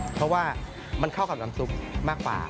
เพราะว่ามันเข้ากับน้ำซุปมากกว่า